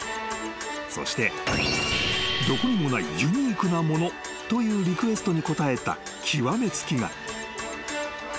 ［そしてどこにもないユニークなものというリクエストに応えた極め付きが］